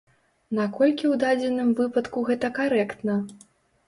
Наколькі ў дадзеным выпадку гэта карэктна?